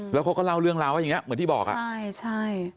แล้วเขาก็เล่าเรื่องราวว่าอย่างเงี้เหมือนที่บอกอ่ะใช่ใช่